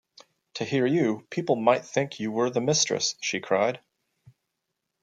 ‘To hear you, people might think you were the mistress!’ she cried.